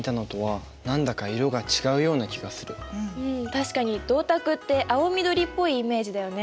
確かに銅鐸って青緑っぽいイメージだよね。